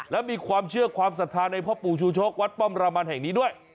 และมีความเชื่อความศรัทธาในพ่อปู่ชูชกวัดป้อมรามันแห่งนี้ด้วย